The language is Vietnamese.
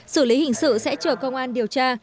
xử lý hình sự sẽ chờ công an điều tra